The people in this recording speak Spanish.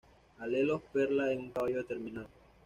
Alelos perla en un caballo determinado.